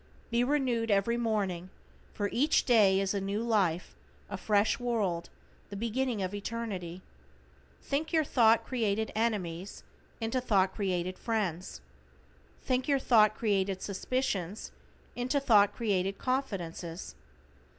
Be renewed every morning, for each day is a new life, a fresh world, the beginning of eternity. Think your thought created enemies into thought created friends. Think your thought created suspicions, into thought created confidences.